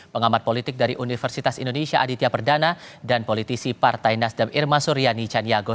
pengamat politik dari universitas indonesia aditya perdana dan politisi partai nasdem irma suryani chaniago